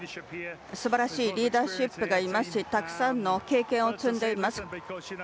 すばらしいリーダーシップがありますしたくさんの経験を積んでいます。